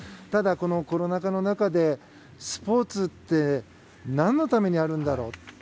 ただ、コロナ禍の中でスポーツって何のためにあるんだろう。